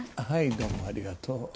はいどうもありがとう。